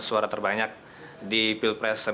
suara terbanyak di pilpres